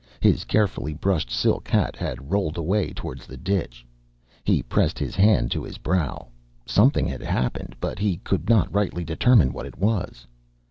His carefully brushed silk hat had rolled away towards the ditch. He pressed his hand to his brow. Something had happened, but he could not rightly determine what it was.